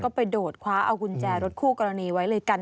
ก็ไปโดดคว้าเอากุญแจรถคู่กรณีไว้เลยกัน